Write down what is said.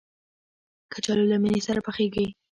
کچالو له مېنې سره پخېږي